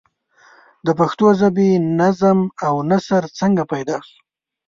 د پښتو ژبې نظم او نثر څنگه پيدا شو؟